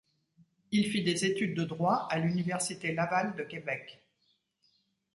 Il fit des études de droit à l'Université Laval de Québec.